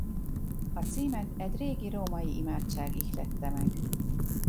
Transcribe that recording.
A címet egy régi római imádság ihlette meg.